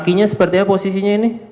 kakinya sepertinya posisinya ini